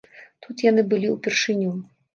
Тут яны былі ўпершыню.